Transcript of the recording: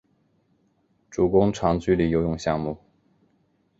主攻长距离游泳项目。